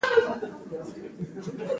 دا کار له عمومي پاڅون وروسته ترسره کیږي.